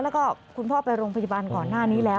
แล้วก็คุณพ่อไปโรงพยาบาลก่อนหน้านี้แล้ว